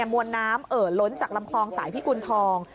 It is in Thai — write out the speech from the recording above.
มวลน้ำเอ่อล้นจากลำคลองสายพิกุณฑอง